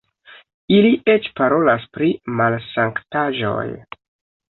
Ili eĉ parolas pri malsanktaĵoj!